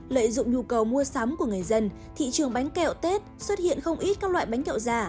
lợi dụng nhu cầu mua sắm của người dân thị trường bánh kẹo tết xuất hiện không ít các loại bánh kẹo giả